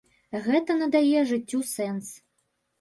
Гэта надае жыццю сэнс.